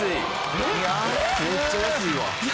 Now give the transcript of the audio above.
めっちゃ安いわ。